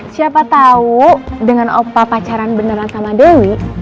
siapa tahu dengan opa pacaran beneran sama dewi